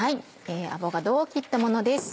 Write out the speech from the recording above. アボカドを切ったものです。